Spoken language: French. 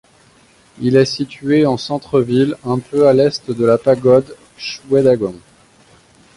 Il est situé en centre-ville, un peu à l'est de la Pagode Shwedagon.